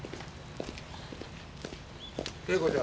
聖子ちゃん。